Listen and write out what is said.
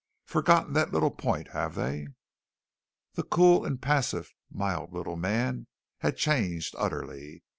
Forgotten that little point, have they?" The cool, impassive, mild little man had changed utterly.